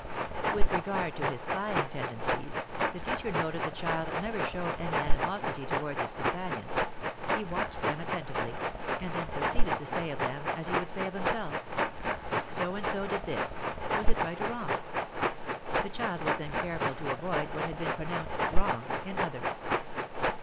With regard to his spying tendencies, the teacher noted the child never showed any animosity towards his companions; he watched them attentively, and then proceeded to say of them as he would say of himself: So and so did this; was it right or wrong? The child was then careful to avoid what had been pronounced "wrong" in others.